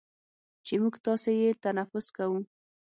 چې موږ تاسې یې تنفس کوو،